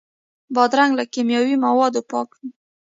بادرنګ له کیمیاوي موادو پاک وي.